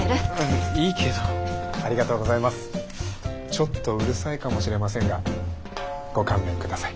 ちょっとうるさいかもしれませんがご勘弁下さい。